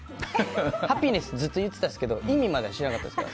ハピネスってずっと言ってたんですけど意味までは知らなかったんですよ。